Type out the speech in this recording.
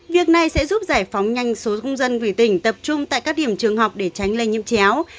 việc này sẽ giúp giải phóng nhanh số công dân về tỉnh tập trung tại các điểm trường học để tránh lây nhiễm chéo